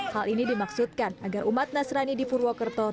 hal ini dimaksudkan agar umat nasrani di purwokerto